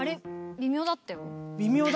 微妙だったよな。